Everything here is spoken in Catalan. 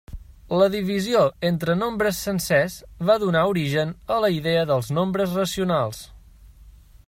La divisió entre nombres sencers va donar origen a la idea dels nombres racionals.